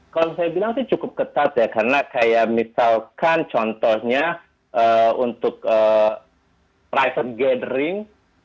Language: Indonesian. kalau saya bilang sih cukup ketat ya karena kayak misalkan contohnya untuk private gathering